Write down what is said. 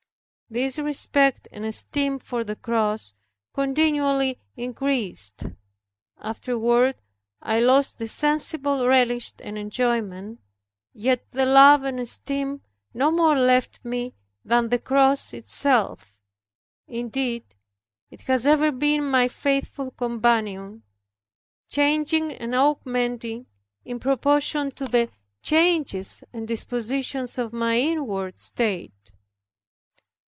This respect and esteem for the cross continually increased. Afterward I lost the sensible relish and enjoyment, yet the love and esteem no more left me than the cross itself. Indeed, it has ever been my faithful companion, changing and augmenting, in proportion to the changes and dispositions of my inward state.